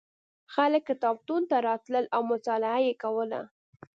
خلک کتابتون ته راتلل او مطالعه یې کوله.